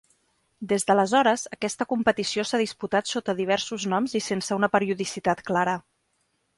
Des d'aleshores aquesta competició s'ha disputat sota diversos noms i sense una periodicitat clara.